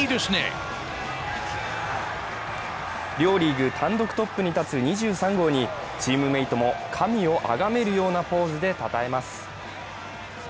両リーグ単独トップに立つ２３号にチームメートも神をあがめるようなポーズでたたえます。